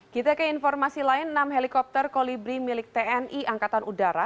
kita ke informasi lain enam helikopter kolibri milik tni angkatan udara